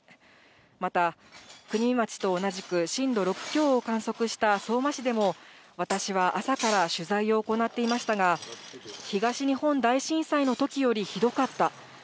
また、国見町と同じく震度６強を観測した相馬市でも私は朝から取材を行っていましたが、東日本大震災のときより、ひどかった。